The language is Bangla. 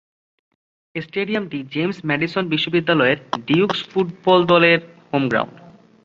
স্টেডিয়ামটি জেমস ম্যাডিসন বিশ্ববিদ্যালয়ের ডিউকস ফুটবল দলের হোম গ্রাউন্ড।